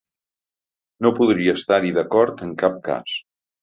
No podria estar-hi d’acord en cap cas.